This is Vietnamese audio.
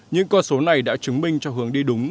những con số này đã chứng minh cho hướng đi đúng